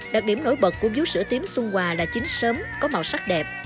đặc điểm nổi bật của vú sữa tím xuân hòa là chín sớm có màu sắc đẹp